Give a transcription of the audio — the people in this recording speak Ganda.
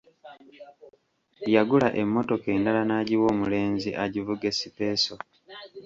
Yagula emmotoka endala n'agiwa omulenzi agivuge sipeeso.